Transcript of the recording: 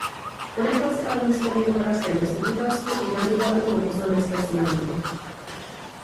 Ponechal si ale místo v jihomoravském zastupitelstvu i kandidaturu do Poslanecké sněmovny.